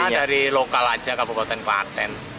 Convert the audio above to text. ya dari lokal saja kabupaten klaten